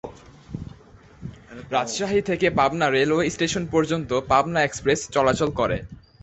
রাজশাহী থেকে Pabna railway station পর্যন্ত Pabna express চলাচল করে।